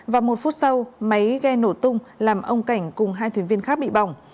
và một phút sau máy ghe nổ tung làm ông cảnh cùng hai thuyền viên khác bị bỏng